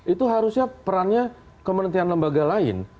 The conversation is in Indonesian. itu harusnya perannya kementerian lembaga lain